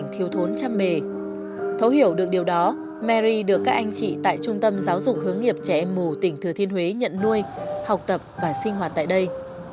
trẻ em mù tỉnh thừa thiên huế nhận nuôi học tập và sinh hoạt tại đây